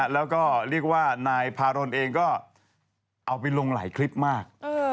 แล้วก็เรียกว่านายพารนเองก็เอาไปลงหลายคลิปมาก